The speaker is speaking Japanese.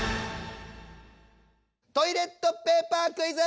トイレットペーパークイズ！